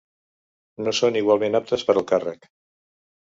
No són igualment aptes per al càrrec.